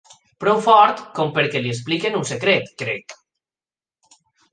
Prou fort com perquè li expliquin un secret, crec.